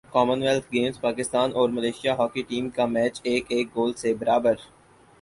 common wealth games Pakistan اور Malaysia hockey team کا match ایک ایک گول سے برابر